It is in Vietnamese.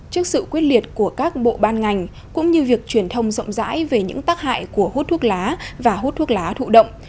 trước sự quyết liệt của các bộ ban ngành cũng như việc truyền thông rộng rãi về những tác hại của hút thuốc lá và hút thuốc lá thụ động